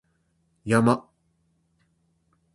山